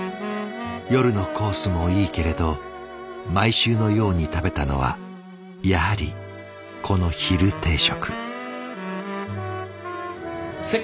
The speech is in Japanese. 夜のコースもいいけれど毎週のように食べたのはやはりこの昼定食。